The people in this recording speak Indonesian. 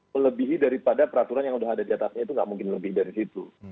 melebihi daripada peraturan yang sudah ada di atasnya itu nggak mungkin lebih dari situ